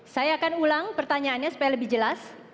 saya akan ulang pertanyaannya supaya lebih jelas